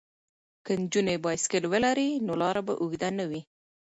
که نجونې بایسکل ولري نو لاره به اوږده نه وي.